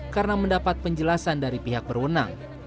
karena mendapat penjelasan dari pihak perwenang